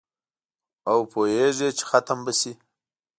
او پوهیږي چي ختم به شي